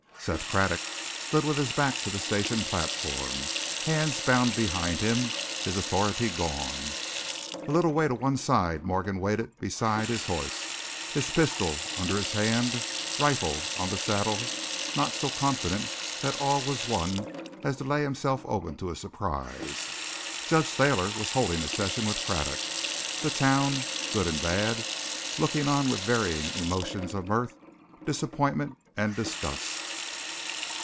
Seth Craddock stood with his back to the station platform, hands bound behind him, his authority gone. A little way to one side Morgan waited beside his horse, his pistol under his hand, rifle on the saddle, not so confident that all was won as to lay himself open to a surprise. Judge Thayer was holding a session with Craddock, the town, good and bad, looking on with varying emotions of mirth, disappointment, and disgust.